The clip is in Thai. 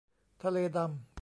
ทะเลดำ